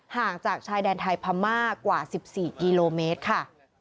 ห่างจากชายแดนไทยพม่ากว่า๑๔กิโลเมตรค่ะ